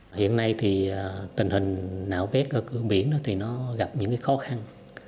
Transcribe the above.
hiện nay thì tình hình nạo vét ở cửa biển thì nó gặp những khó khăn